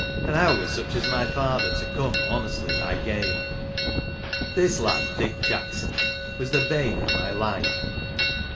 And how were such as my father to come honestly by game ? This lad, Dick Jackson, was the bane of my life.